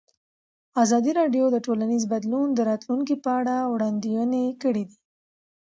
ازادي راډیو د ټولنیز بدلون د راتلونکې په اړه وړاندوینې کړې.